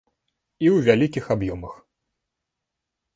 І ў вялікіх аб'ёмах.